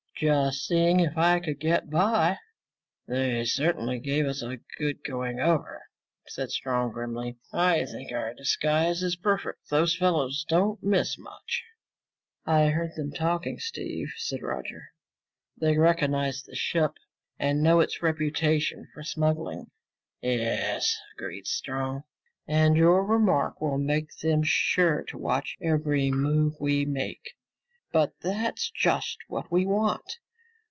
"Just seeing if I could get by." "They certainly gave us a good going over," said Strong grimly. "I think our disguise is perfect. Those fellows don't miss much." "I heard them talking, Steve," said Roger. "They recognized the ship and know its reputation for smuggling." "Yes," agreed Strong. "And your remark will make them sure to watch every move we make. But that's just what we want.